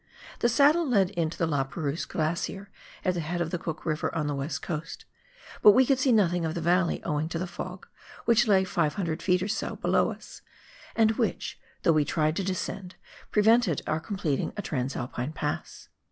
The saddle led into the La Perouse Glacier at the head of Cook Hiver on the West Coast, but we could see nothing of the valley, owing to the fog, which lay 500 ft. or so below us, and which, though we tried to descend, prevented our completing a trans alpine pass.